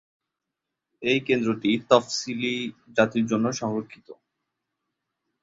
এই কেন্দ্রটি তফসিলি জাতির জন্য সংরক্ষিত।